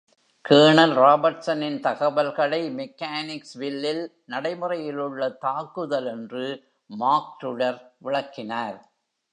Kernel ராபர்ட்சனின் தகவல்களை மெக்கானிக்ஸ்வில்லில் நடைமுறையில் உள்ள தாக்குதல் என்று மாக்ருடர் விளக்கினார்.